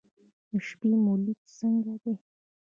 د شپې مو لید څنګه دی؟